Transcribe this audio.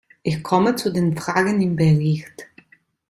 Ich komme zu den Fragen im Bericht.